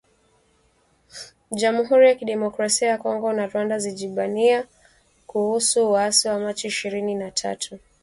Jamuhuri ya Kidemokrasia ya Kongo na Rwanda zajibiana kuhusu waasi wa Machi ishirini na tatu